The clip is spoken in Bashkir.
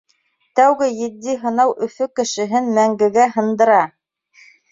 Тәүге етди һынау Өфө кешеһен мәңгегә һындыра.